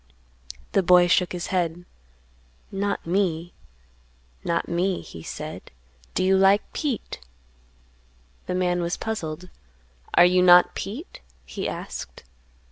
The boy shook his head; "Not me; not me;" he said; "do you like Pete?" The man was puzzled. "Are you not Pete?" he asked.